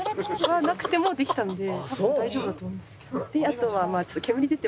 なくてもできたので多分大丈夫だと思います。